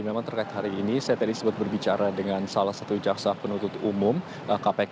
memang terkait hari ini saya tadi sempat berbicara dengan salah satu jaksa penuntut umum kpk